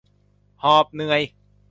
หอบเหนื่อย